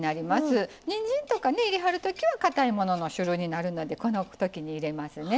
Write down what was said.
にんじんとかね入れはるときはかたいものの種類になるのでこのときに入れますね。